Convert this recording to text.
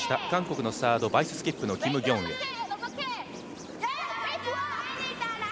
韓国のサード、バイス・スキップのキム・ギョンエ。